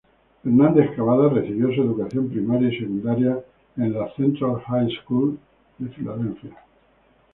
Fernández-Cavada recibió su educación primaria y secundaria en la Central High School de Filadelfia.